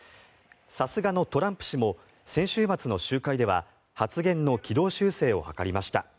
さすがのトランプ氏も先週末の集会では発言の軌道修正を図りました。